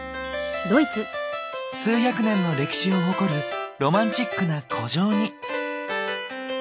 数百年の歴史を誇るロマンチックな古城に。